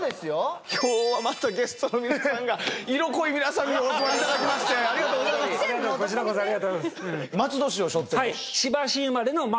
今日はまたゲストの皆さんが色濃い皆さんにお集まりいただきましてありがとうございます。